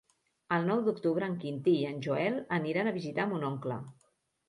El nou d'octubre en Quintí i en Joel aniran a visitar mon oncle.